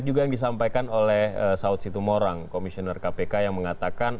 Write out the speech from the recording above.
juga yang disampaikan oleh saud situmorang komisioner kpk yang mengatakan